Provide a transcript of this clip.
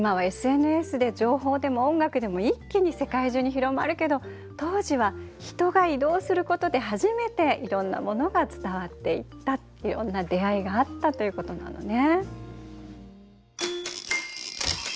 今はＳＮＳで情報でも音楽でも一気に世界中に広まるけど当時は人が移動することで初めていろんなものが伝わっていったいろんな出会いがあったということなのね。